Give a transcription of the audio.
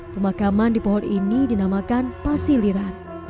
pemakaman di pohon ini dinamakan pasiliran